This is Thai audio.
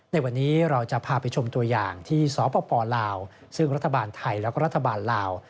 ในวันนี้เราจะพาไปชมตัวอย่างที่สปลาวซึ่งรัฐบาลไทยแล้วก็รัฐบาลลาว